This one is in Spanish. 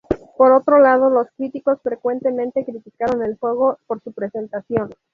Por otro lado, los críticos frecuentemente criticaron el juego por su presentación.